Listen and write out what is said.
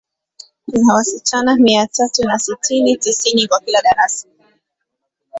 Kuna wasichana mia tatu na sitini, tisini kwa kila darasa.